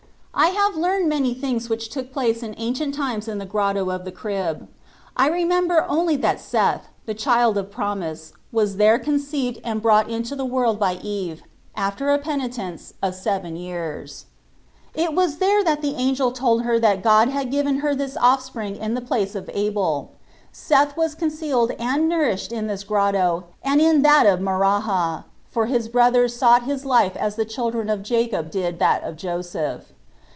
I have learned many things which took place in ancient times in the Grotto of the Crib. I remember only that Seth, the child of promise, was there conceived and Xorfc 3C9U8 Cbrtst. 75 brought into the world by Eve, after a penitence of seven years. It was there that the angel told her that God had given her this offspring in the place of Abel. Seth was concealed and nourished in this grotto and in that of Maraha, for his brothers sought his life as the children of Jacob did that of Joseph.